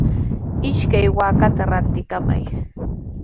Ishkay waakata rantikamay.